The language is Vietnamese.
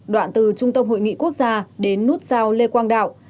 đoạn từ trung tâm hội nghị quốc gia đến nút giao lê quang đạo